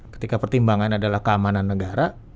ketika pertimbangan adalah keamanan negara